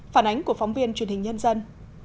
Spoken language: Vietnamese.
phản ánh của phóng viên truyền hình nhân dân